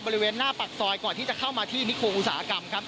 บริเวณหน้าปากซอยก่อนที่จะเข้ามาที่นิคมอุตสาหกรรมครับ